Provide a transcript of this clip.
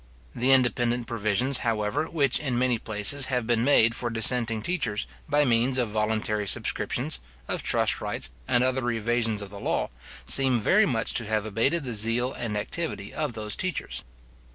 The independent provisions, however, which in many places have been made for dissenting teachers, by means of voluntary subscriptions, of trust rights, and other evasions of the law, seem very much to have abated the zeal and activity of those teachers.